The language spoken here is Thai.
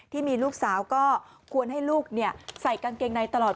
ที่มีลูกสาวก็ควรให้ลูกใส่กางเกงในตลอด